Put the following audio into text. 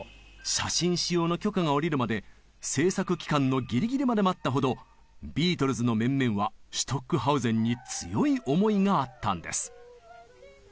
写真使用の許可が下りるまで制作期間のギリギリまで待ったほどビートルズの面々はシュトックハウゼンに強い思いがあったんです。